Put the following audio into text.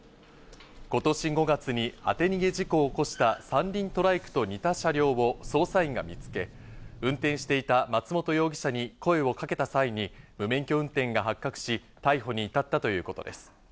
今年５月に当て逃げ事故を起こした３輪トライクと似た車両を捜査員が見つけ、運転していた松本容疑者に声をかけた際に無免許運転が発覚し、逮捕に至ったということです。